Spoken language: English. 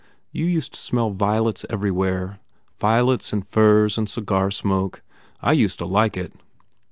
You used to smell violets everywhere. Vio lets and furs and cigar smoke. I used to like it."